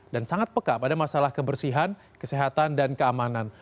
dan sangat peka pada masalah kebersihan kesehatan dan keamanan